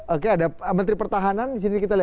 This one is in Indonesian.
oke ada menteri pertahanan